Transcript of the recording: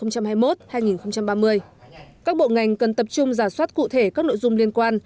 các bộ ngành cần tập trung giả soát cụ thể các nội dung liên quan